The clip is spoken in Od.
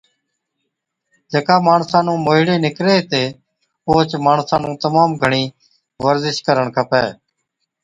جڪا ماڻسا نُون موهِيڙي نِڪري هِتي اوهچ ماڻسا نُون تمام گھڻِي ورزش ڪرڻ کپَي